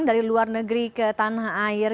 dari luar negeri ke tanah air